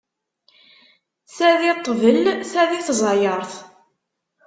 Ta di ṭṭbel, ta di tẓayeṛt.